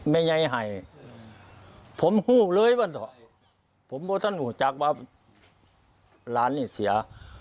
ไม่ยายไห้ผมหู้เลยว่าผมไม่สนุกจากว่าร้านนี้เสีย